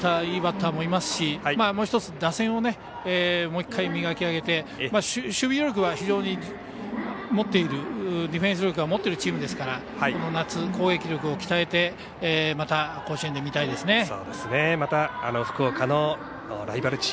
いいバッターがいますしもう１つ、打線をもう１回磨き上げて守備力は非常に持っているディフェンス力は持っているチームですから夏攻撃力を鍛えてまた甲子園で見たいですね。